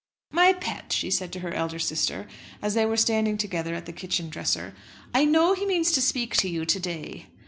"My pet," she said to her elder sister, as they were standing together at the kitchen dresser, "I know he means to speak to you to day."